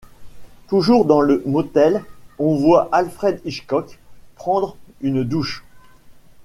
Toujours dans le motel on voit Alfred Hitchcock prendre une douche.